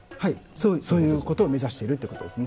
そういうことを目指しているということですね。